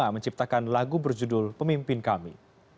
menciptakan lagu berjudul pemimpin kami